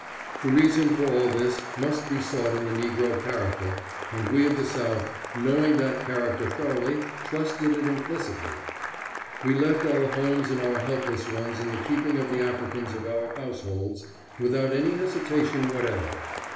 The reason for all this must be sought in the negro character, and we of the South, knowing that character thoroughly, trusted it implicitly. We left our homes and our helpless ones in the keeping of the Africans of our households, without any hesitation whatever.